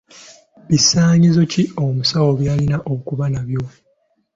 Bisaanyizo ki omusawo by'alina okuba nabyo?